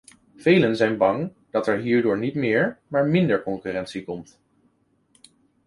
Velen zijn bang dat er hierdoor niet meer, maar minder concurrentie komt.